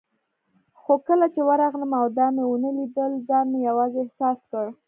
خو کله چې ورغلم او دا مې ونه لیدل، ځان مې یوازې احساس کړ.